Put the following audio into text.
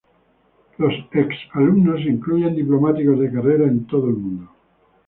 Los ex alumnos incluyen diplomáticos de carrera en todo el mundo.